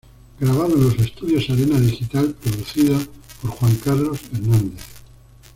Grabado en los estudios Arena Digital, producido por Juan Carlos Hernández.